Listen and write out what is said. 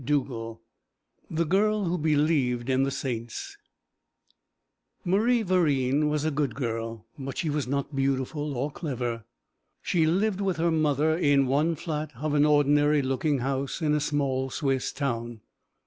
IX THE GIRL WHO BELIEVED IN THE SAINTS Marie Verine was a good girl, but she was not beautiful or clever. She lived with her mother in one flat of an ordinary looking house in a small Swiss town.